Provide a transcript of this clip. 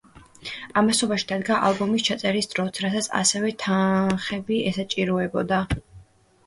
ამასობაში დადგა ალბომის ჩაწერის დროც, რასაც ასევე თანხები ესაჭიროებოდა.